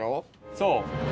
そう。